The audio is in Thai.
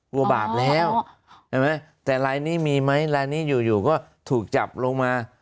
กลัวบาปแล้วแต่ลายนี้มีไหมลายนี้อยู่ก็ถูกจับลงมา